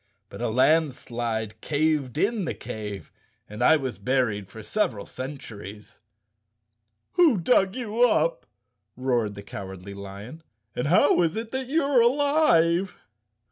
But a landslide caved in the cave and I was buried for several centuries." "Who dug you up," roared the Cowardly Lion, "and how is it you are alive?"